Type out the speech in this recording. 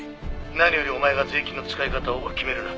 「何よりお前が税金の使い方を決めるな」